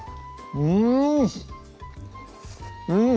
うん！